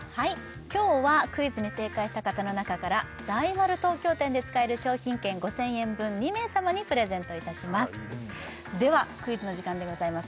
今日はクイズに正解した方の中から大丸東京店で使える商品券５０００円分２名様にプレゼントいたしますああいいですねではクイズの時間でございます